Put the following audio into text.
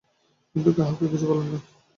কিন্তু কাহাকেও কিছু বলেন নাই।